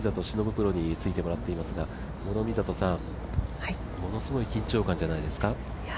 プロについてもらっていますが諸見里さん、ものすごい緊張感じゃないですか？